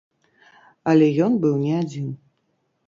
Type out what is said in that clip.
Але ён быў не адзін.